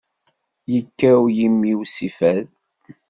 Yekkaw yimi-w si fad.